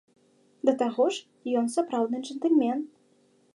Да таго ж, ён сапраўдны джэнтльмен!